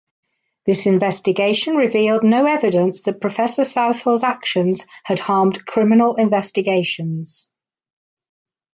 This investigation revealed no evidence that Professor Southall's actions had harmed criminal investigations.